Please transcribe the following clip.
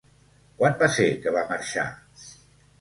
Quan va ser, que va marxar?